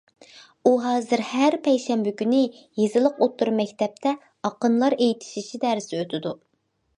ئۇ ھازىر ھەر پەيشەنبە كۈنى يېزىلىق ئوتتۇرا مەكتەپتە ئاقىنلار ئېيتىشىشى دەرسى ئۆتىدۇ.